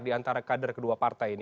di antara kader kedua partai ini